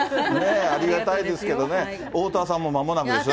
ありがたいですけどね、おおたわさんもまもなくでしょ。